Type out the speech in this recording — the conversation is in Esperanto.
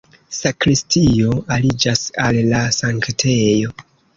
Sakristio aliĝas al la sanktejo.